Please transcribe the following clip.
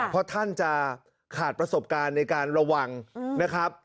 เพราะท่านจะขาดประสบการณ์ในการระวังนะครับ